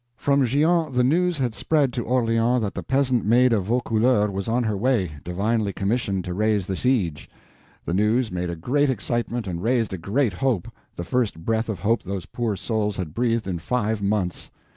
From Gien the news had spread to Orleans that the peasant Maid of Vaucouleurs was on her way, divinely commissioned to raise the siege. The news made a great excitement and raised a great hope—the first breath of hope those poor souls had breathed in five months.